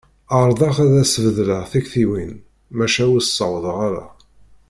Ɛerḍeɣ ad s-beddleɣ tiktiwin, maca ur ssawḍeɣ ara.